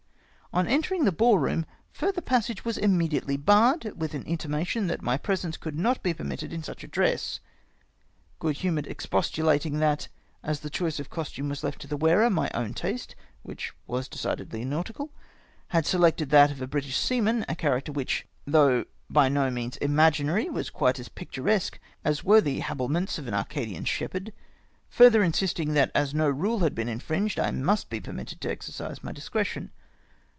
On entering the ball room, fiuther passage Avas im mediately barred, with an intimation that my presence could not be permitted in such a dress. Good humom' edly expostulating that, as the choice of costume was left to the wearer, my own taste — which was decidedly nautical — had selected that of a British seaman, a character which, though by no means imaginary, was quite as picturesque as were the habihments of an Arcadian shepherd ; fiu'ther iubisting that as no rule liad been infringed, I must be permitted to exercise my discretion.